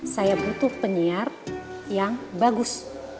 saya butuh penyiar yang bagus